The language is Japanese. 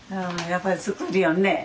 やっぱり作りよるね。